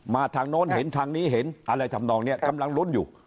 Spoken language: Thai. มาทางโน้นทางนี้เห็นนะครับอะไรทำนองเนี่ยกำลังไปล้นอยู่